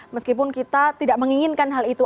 meskipun kita tidak menginginkan hal itu